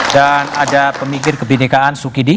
dan ada pemikir kebindikan sukidi